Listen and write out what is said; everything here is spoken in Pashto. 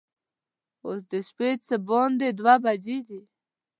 اوس د شپې څه باندې دوه بجې دي.